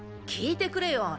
聞いてくれよ